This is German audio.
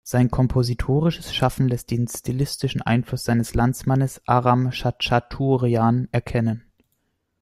Sein kompositorisches Schaffen lässt den stilistischen Einfluss seines Landsmannes Aram Chatschaturjan erkennen.